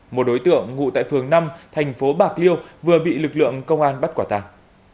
một đối tượng ngụ tại phường năm thành phố bạc liêu vừa bị lực lượng công an bắt quả tàng